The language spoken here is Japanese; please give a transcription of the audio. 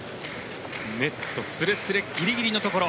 ネットすれすれギリギリのところ。